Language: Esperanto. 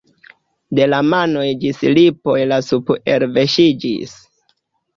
De la manoj ĝis lipoj la sup' elverŝiĝis.